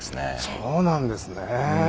そうなんですね。